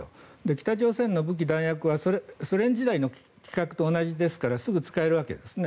北朝鮮の武器、弾薬はソ連時代の規格と同じですからすぐ使えるわけですね。